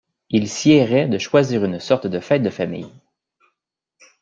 Il siérait de choisir une sorte de fête de famille.